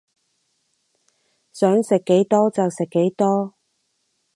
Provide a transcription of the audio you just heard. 想食幾多就食幾多